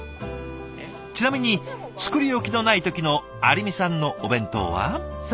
ちなみに作り置きのない時の有美さんのお弁当は。